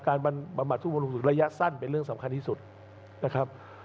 การประมาททุกธุรกษุระยะสั้นเป็นเรื่องสำคัญที่สุดนะครับ